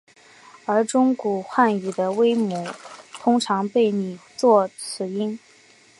而中古汉语的微母通常被拟作此音。